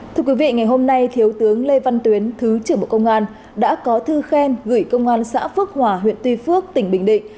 thưa quý vị ngày hôm nay thiếu tướng lê văn tuyến thứ trưởng bộ công an đã có thư khen gửi công an xã phước hòa huyện tuy phước tỉnh bình định